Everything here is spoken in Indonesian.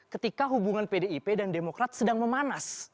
ketika hubungan pdip dan demokrat sedang memanas